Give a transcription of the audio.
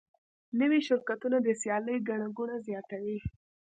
نوي شرکتونه د سیالۍ ګڼه ګوڼه زیاتوي.